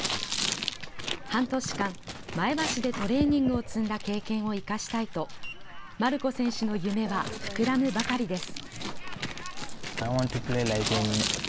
半年間、前橋でトレーニングを積んだ経験を生かしたいと、マルコ選手の夢は膨らむばかりです。